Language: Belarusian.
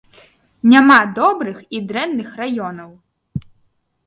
Няма добрых і дрэнных раёнаў.